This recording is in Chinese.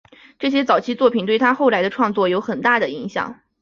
这些早期作品对他后来的创作有很大影响。